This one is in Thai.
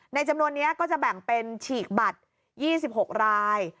จำนวนนี้ก็จะแบ่งเป็นฉีกบัตร๒๖ราย